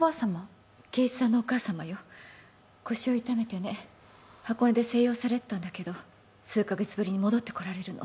腰を痛めてね箱根で静養されてたんだけど数カ月ぶりに戻ってこられるの。